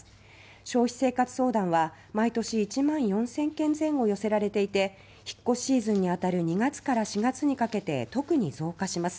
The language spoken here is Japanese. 消費生活相談は毎年１万４０００件前後寄せられていて引っ越しシーズンにあたる２月から４月にかけて特に増加します。